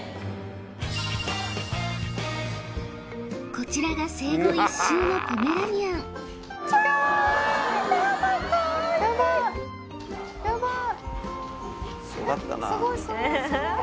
こちらが生後１週のポメラニアンカワイイヤバい